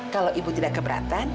kalau ibu tidak keberatan